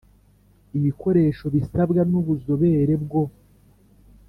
Ibikoresho bisabwa n ubuzobere bwo